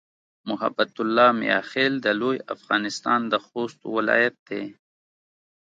محبت الله "میاخېل" د لوی افغانستان د خوست ولایت دی.